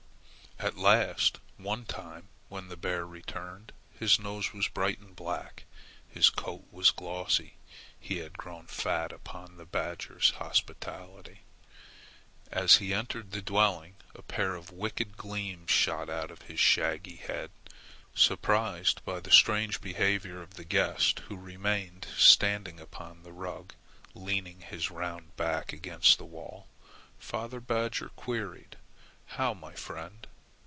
At last one time when the bear returned, his nose was bright and black. His coat was glossy. He had grown fat upon the badger's hospitality. As he entered the dwelling a pair of wicked gleams shot out of his shaggy head. Surprised by the strange behavior of the guest who remained standing upon the rug, leaning his round back against the wall, father badger queried: "How, my friend!